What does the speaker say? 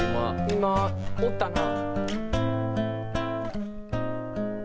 今おったな。